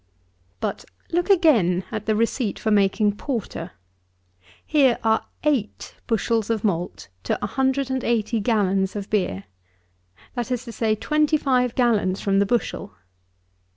73. But, look again at the receipt for making porter. Here are eight bushels of malt to 180 gallons of beer; that is to say, twenty fire gallons from the bushel.